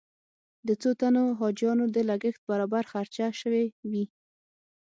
د څو تنو حاجیانو د لګښت برابر خرچه شوې وي.